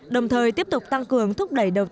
đồng thời tiếp tục tăng cường thúc đẩy đồng hành